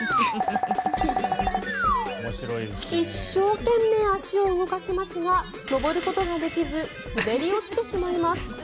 一生懸命足を動かしますが上ることができず滑り落ちてしまいます。